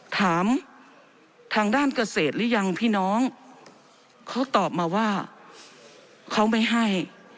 ถามทางด้านเกษตรหรือยังพี่น้องเขาตอบมาว่าเขาไม่ให้